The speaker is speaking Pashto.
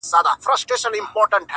او هوساینې لپاره مناسب شرایط برابرول